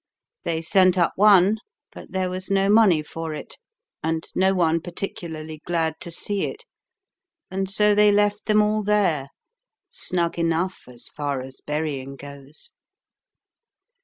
They sent up one, but there was no money for it, and no one particularly glad to see it, and so they left them all there, snug enough as far as burying goes.